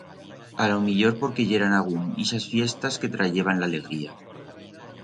A lo millor porque yeran agún ixas fiestas que trayeban l'alegría.